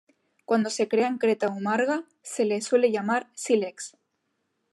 Cuando se crea en creta o marga, se le suele llamar sílex.